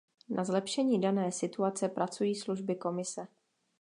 Na zlepšení dané situace pracují služby Komise.